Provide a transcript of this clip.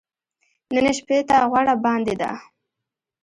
نن شپې ته غوړه باندې ده .